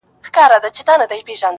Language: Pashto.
کليوال کله کله د پېښې په اړه چوپ سي,